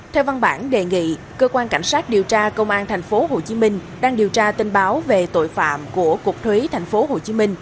theo văn bản đề nghị cơ quan cảnh sát điều tra công an tp hcm đang điều tra tin báo về tội phạm của cục thuế tp hcm